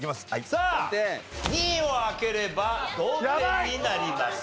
さあ２位を開ければ同点になります。